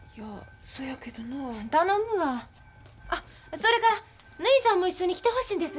それからぬひさんも一緒に来てほしいんです。